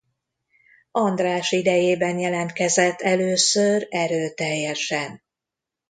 András idejében jelentkezett először erőteljesen.